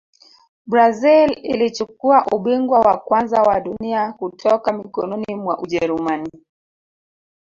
brazil ilichukua ubingwa wa kwanza wa dunia kutoka mikononi mwa ujerumani